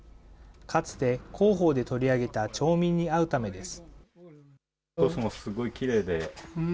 かつて広報で取り上げた町民に会うためです。